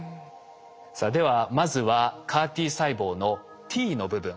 さあではまずはＣＡＲ−Ｔ細胞の「Ｔ」の部分。